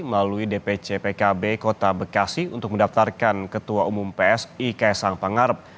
melalui dpcpkb kota bekasi untuk mendaftarkan ketua umum psi kaisang pangarap